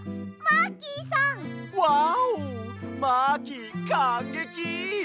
マーキーかんげき！